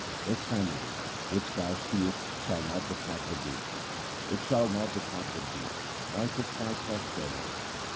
This family which thou seest shall not depart with thee ; It shall not depart with thee ; why fix thy thoughts thereon